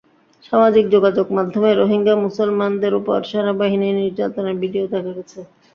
সামাজিক যোগাযোগ মাধ্যমে রোহিঙ্গা মুসলমানদের ওপর সেনাবাহিনীর নির্যাতনের ভিডিও দেখা গেছে।